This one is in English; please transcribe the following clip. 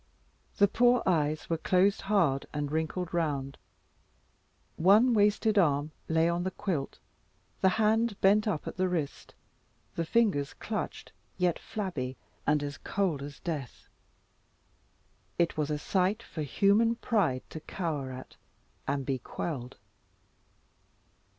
The poor eyes were closed, hard, and wrinkled round; one wasted arm lay on the quilt, the hand bent up at the wrist, the fingers clutched yet flabby, and as cold as death. It was a sight for human pride to cower at, and be quelled.